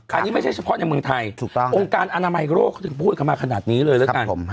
อันนี้ไม่ใช่เฉพาะในเมืองไทยถูกต้ององค์การอนามัยโรคเขาถึงพูดกันมาขนาดนี้เลยแล้วกัน